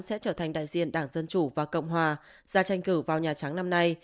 sẽ trở thành đại diện đảng dân chủ và cộng hòa ra tranh cử vào nhà trắng năm nay